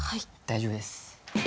大丈夫です。